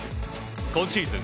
今シーズン